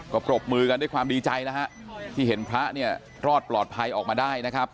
ก็ปรบมือกันด้วยความดีใจนะฮะที่เห็นพระเนี่ยรอดปลอดภัยออกมาได้นะครับ